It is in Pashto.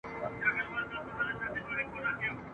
چي ښوونکي او ملا به را ښودله !.